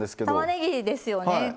たまねぎですよね。